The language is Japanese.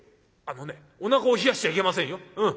あのねおなかを冷やしちゃいけませんよ。